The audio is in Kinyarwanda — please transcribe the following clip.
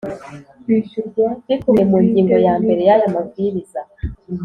bikubiye mu ngingo ya mbere y aya Mabwiriza